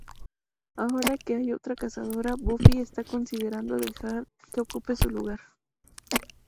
Ahora que hay otra Cazadora, Buffy está considerando dejar que ocupe su lugar.